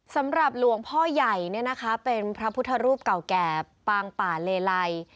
สำหรับหลวงพ่อใหญ่เนี่ยนะคะเป็นพระพุทธรูปเก่าแก่ปางป่าเลไล